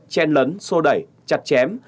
khen lấn xô đẩy chặt chém